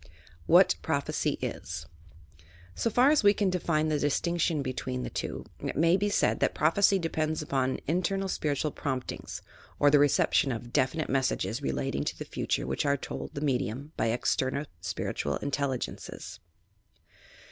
WHAT PBOPHECY IS So far as we can define the distinction between the two, it may be said that prophecy depends upon in ternal spiritual promptings, or the reception of definite messages relating to the future which are told the me dium by external spiritual intelligences.